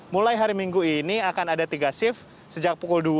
mulai hari minggu ini akan ada tiga shift sejak pukul dua